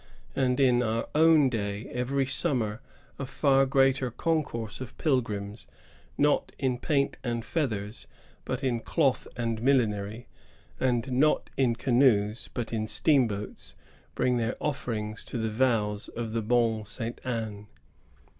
And, in our own day, every summer a far greater concourse of pilgrims — not in paint and feathers, but in cloth and millinery, and not in canoes, but in steamboats — bring their offerings and their vows to the "Bonne Sainte Anne."